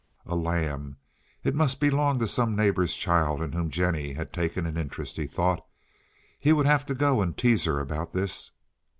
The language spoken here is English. A lamb! It must belong to some neighbor's child in whom Jennie had taken an interest, he thought. He would have to go and tease her about this.